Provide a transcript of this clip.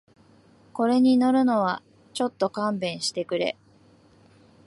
これに乗るのはちょっと勘弁してくれ